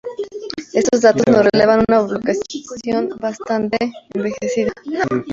Estos datos nos revelan una población bastante envejecida.